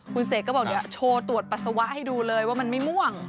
คุณเสกก็บอกเดี๋ยวโชว์ตรวจปัสสาวะให้ดูเลยว่ามันไม่ม่วง